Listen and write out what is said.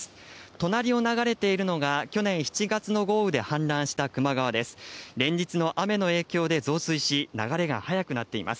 隣を流れているのが、去年７月の豪雨で氾濫した球磨川です。